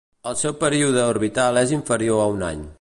El seu període orbital és inferior a un any.